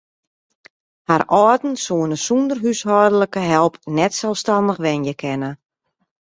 Har âlden soene sûnder húshâldlike help net selsstannich wenje kinne.